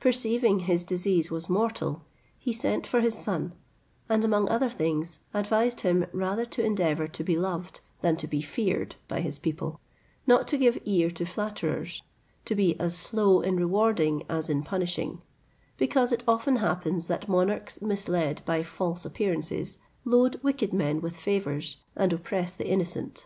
Perceiving his disease was mortal, he sent for his son, and among other things advised him rather to endeavour to be loved, than to be feared by his people; not to give ear to flatterers; to be as slow in rewarding as in punishing, because it often happens that monarchs misled by false appearances, load wicked men with favours, and oppress the innocent.